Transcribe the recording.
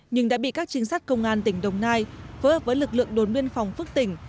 nhưng đã bị các trinh sát công an tỉnh đồng nai phối hợp với lực lượng đốn nguyên phòng phức tỉnh